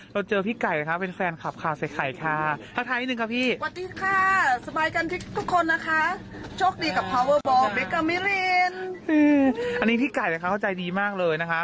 นะคะโชคดีกับพาวเวอร์บอร์เมก้ามิเรียนอืมอันนี้พี่ไก่นะคะเขาใจดีมากเลยนะคะ